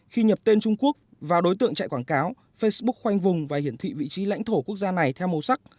khi nhập tên trung quốc vào đối tượng chạy quảng cáo facebook khoanh vùng và hiển thị vị trí lãnh thổ quốc gia này theo màu sắc